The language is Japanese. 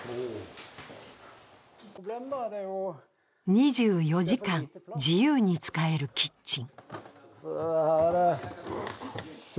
２４時間、自由に使えるキッチン。